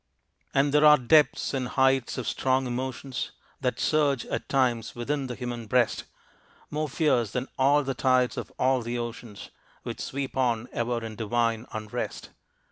And there are depths and heights of strong emotions That surge at times within the human breast, More fierce than all the tides of all the oceans Which sweep on ever in divine unrest.